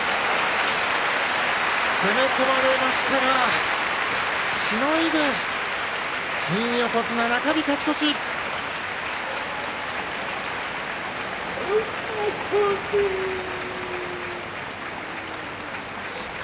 攻め込まれましたが、しのいで新横綱、中日勝ち越しです。